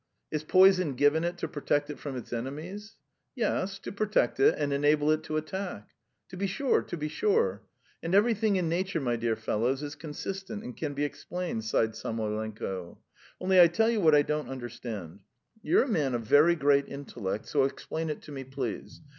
"Is poison given it to protect it from its enemies?" "Yes, to protect it and enable it to attack." "To be sure, to be sure. ... And everything in nature, my dear fellows, is consistent and can be explained," sighed Samoylenko; "only I tell you what I don't understand. You're a man of very great intellect, so explain it to me, please.